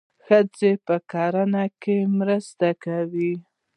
ښځې په کرنه کې مرسته کوي.